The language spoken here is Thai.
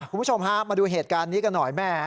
คุณผู้ชมฮะมาดูเหตุการณ์นี้กันหน่อยแม่